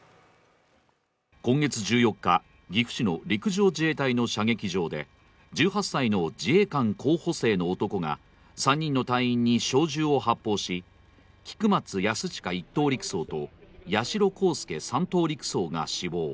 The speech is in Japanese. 今月１４日、岐阜市の陸上自衛隊の射撃場で、１８歳の自衛官候補生の男が３人の隊員に小銃を発砲し、菊松安親１等陸曹と八代航佑３等陸曹が死亡。